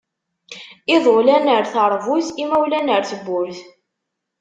Iḍulan ar teṛbut imawlan ar tebburt.